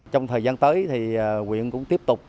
trong thời gian tới thì quyện cũng tiếp tục